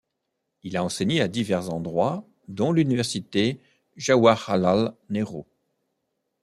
Il a enseigné à divers endroits, dont l'université Jawaharlal-Nehru.